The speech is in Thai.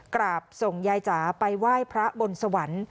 กราบส่งยายจ๋าไปไหว้พระบนสวรรค์